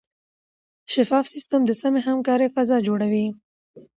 شفاف سیستم د سمې همکارۍ فضا جوړوي.